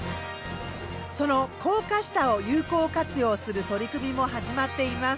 その高架下を有効活用する取り組みも始まっています。